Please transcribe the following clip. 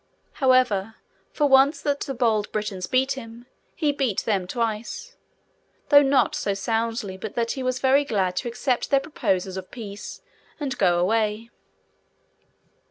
However, for once that the bold Britons beat him, he beat them twice; though not so soundly but that he was very glad to accept their proposals of peace, and go away.